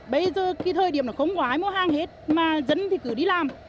bây giờ cái thời điểm nó không có ai mua hàng hết mà dẫn thì cứ đi làm